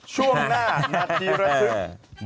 ช่วงหน้านาทีระทึก